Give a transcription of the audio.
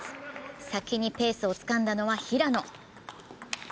先にペースをつかんだのは平野。